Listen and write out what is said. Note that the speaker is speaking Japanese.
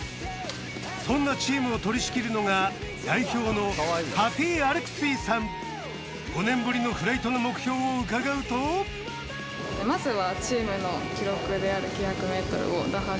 そんなチームを取り仕切るのが代表の５年ぶりのフライトの目標をうかがうとまずは。